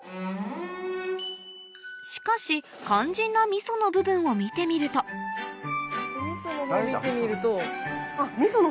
しかし肝心なみその部分を見てみるとおみそのほう見てみると。